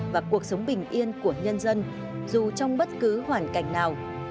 và cuộc sống bình yên của nhân dân dù trong bất cứ hoàn cảnh nào